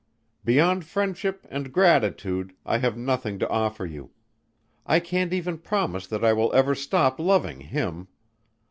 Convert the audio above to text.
Beyond friendship and gratitude, I have nothing to offer you. I can't even promise that I will ever stop loving him.